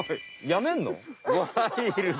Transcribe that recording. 辞めんの？